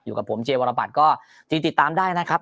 อยู่กับผมเจวรบัตรก็จริงติดตามได้นะครับ